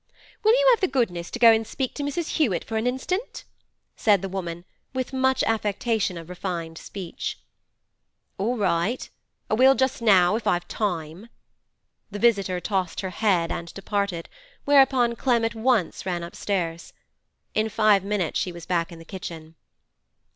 'Will you 'ave the goodness to go an' speak to Mrs. Hewett for a hinstant?' said the woman, with much affectation of refined speech. 'All right! I will just now, if I've time.' The visitor tossed her head and departed, whereupon Clem at once ran upstairs. In five minutes she was back in the kitchen.